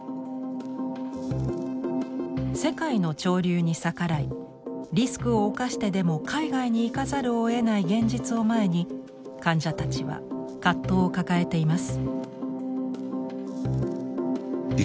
世界の潮流に逆らいリスクを冒してでも海外に行かざるをえない現実を前に患者たちは葛藤を抱えています。